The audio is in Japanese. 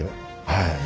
はい。